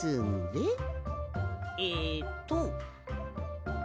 えっと。